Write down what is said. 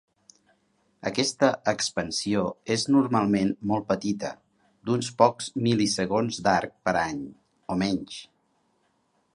Aquesta expansió és normalment molt petita, d'uns pocs mil·lisegons d'arc per any, o menys.